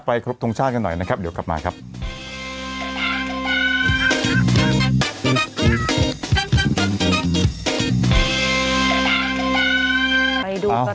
ไปทรพทมชาติกันหน่อยนะครับเดี๋ยวก่อนกลับมาครับ